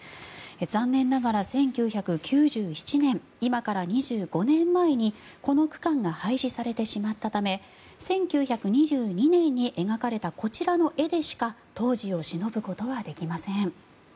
残念ながら１９９７年今から２５年前にこの区間が廃止されてしまったため１９２２年に描かれたこちらの絵でしか当時をしのぶことはできません。